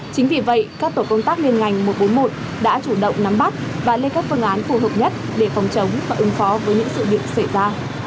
chính vì vậy các tổ công tác liên ngành một trăm bốn mươi một đã chủ động nắm bắt và lên các phương án phù hợp nhất để phòng chống và ứng phó với những sự việc xảy ra